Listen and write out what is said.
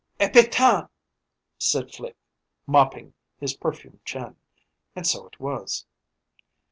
"Epatant!" said Flique, mopping his perfumed chin. And so it was.